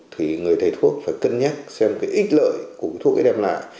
thì người thầy thuốc phải cân nhắc xem cái ít lợi của thuốc ấy đem lại